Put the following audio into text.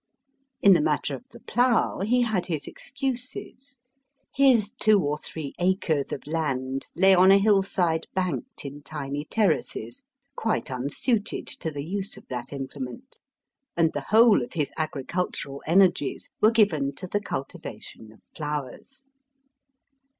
In the matter of the plow, he had his excuses. His two or three acres of land lay on a hillside banked in tiny terraces quite unsuited to the use of that implement and the whole of his agricultural energies were given to the cultivation of flowers.